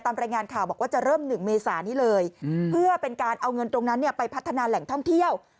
ตรงนั้นไปพัฒนาแหล่งท่องเที่ยว